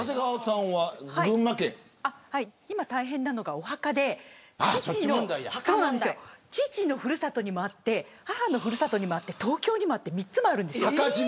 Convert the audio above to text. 今大変なのがお墓で父のふるさとにもあって母のふるさとにもあって東京にもあって３つあるんです。